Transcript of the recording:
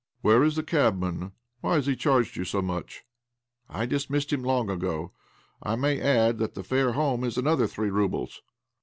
"Where is the cabman? Why has he charged you so much ?"" I dismissed him long ago. I may add that the fare home is another three roubles."